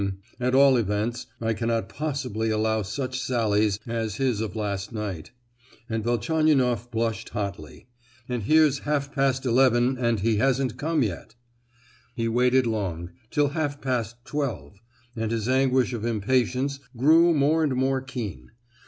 at all events I cannot possibly allow such sallies as his of last night," and Velchaninoff blushed hotly "and here's half past eleven and he hasn't come yet." He waited long—till half past twelve, and his anguish of impatience grew more and more keen.